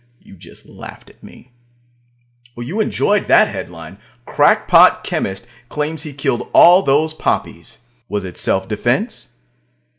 You just laughed at me. You enjoyed that headline: "Crackpot Chemist Claims He Killed All Those Poppies. Was it Self Defense?"